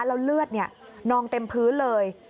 แล้วเลือดนองเต็มพื้นเลย